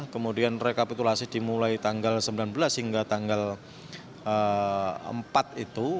kemudian rekapitulasi dimulai tanggal sembilan belas hingga tanggal empat itu